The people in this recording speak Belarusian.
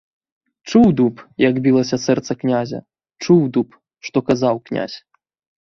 Чуў дуб, як білася сэрца князя, чуў дуб, што казаў князь.